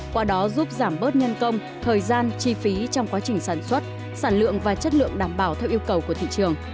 qua đó giúp giảm bớt nhân công thời gian chi phí trong quá trình sản xuất sản lượng và chất lượng đảm bảo theo yêu cầu của thị trường